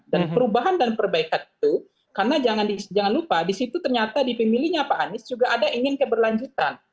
dan perubahan dan perbaikan itu karena jangan lupa di situ ternyata di pemilihnya pak anies juga ada ingin keberlanjutan